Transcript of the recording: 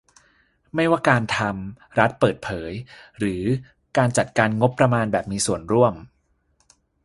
ไม่ว่าการทำ รัฐเปิดเผย หรือ การจัดการงบประมาณแบบมีส่วนร่วม